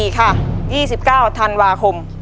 ค่ะ๒๙ธันวาคม